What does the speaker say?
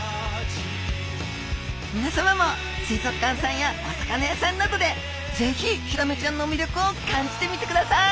みなさまも水族館さんやお魚屋さんなどでぜひヒラメちゃんのみりょくを感じてみてください！